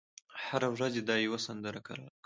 هره ورځ یې دا یوه سندره کړله